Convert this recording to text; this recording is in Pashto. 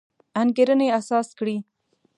انګېرنې اساس کړی.